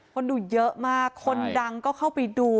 คนดูเยอะมากคนดังก็เข้าไปดู